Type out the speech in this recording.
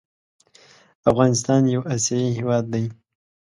افغانستان يو اسياى هيواد دى